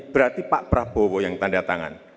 berarti pak prabowo yang tanda tangan